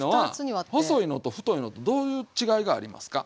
細いのと太いのとどういう違いがありますか？